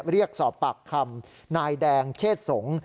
เรียกสอบปากคำนายแดงเชษสงศ์